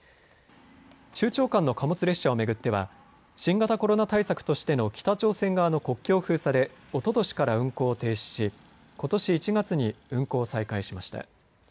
中朝間の貨物列車を巡っては新型コロナ対策としての北朝鮮側の国境封鎖でおととしから運行を停止しことし１月に運行を再開しました。